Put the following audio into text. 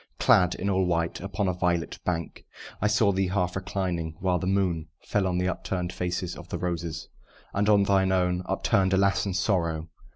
Clad all in white, upon a violet bank I saw thee half reclining; while the moon Fell on the upturn'd faces of the roses, And on thine own, upturn'd alas, in sorrow!